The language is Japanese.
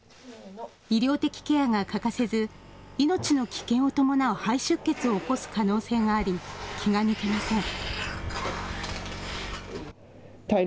医療的ケアが欠かせず命の危険を伴う肺出血を起こす可能性があり、気が抜けません。